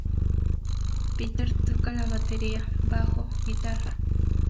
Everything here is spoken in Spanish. Petter toca la Batería, Bajo, Guitarra.